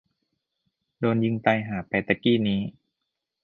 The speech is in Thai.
โดนยิงตายห่าไปตะกี้นี้